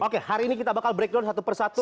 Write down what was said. oke hari ini kita bakal breakdown satu persatu